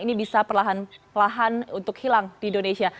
ini bisa perlahan lahan untuk hilang di indonesia